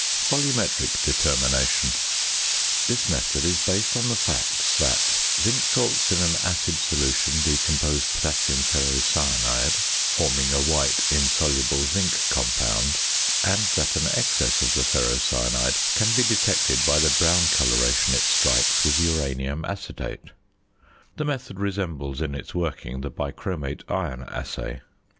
VOLUMETRIC DETERMINATION This method is based on the facts that zinc salts in an acid solution decompose potassium ferrocyanide, forming a white insoluble zinc compound; and that an excess of the ferrocyanide can be detected by the brown coloration it strikes with uranium acetate. The method resembles in its working the bichromate iron assay.